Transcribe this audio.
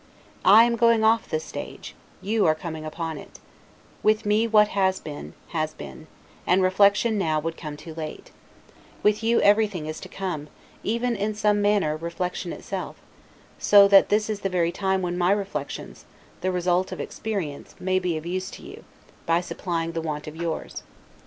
I am going off the stage, you are coming upon it; with me what has been, has been, and reflection now would come too late; with you everything is to come, even, in some manner, reflection itself; so that this is the very time when my reflections, the result of experience, may be of use to you, by supplying the want of yours.